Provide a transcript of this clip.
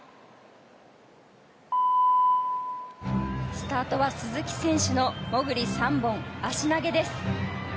スタートは鈴木選手のもぐり３本、足投げです。